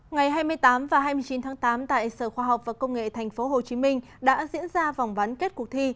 ngày hai mươi tám và hai mươi chín tháng tám tại sở khoa học và công nghệ tp hcm đã diễn ra vòng bán kết cuộc thi